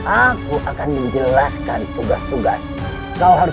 aku akan menjelaskan tugas tugasmu